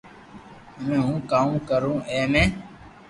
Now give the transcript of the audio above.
ھمي ھون ڪاوُ ڪرو اي مي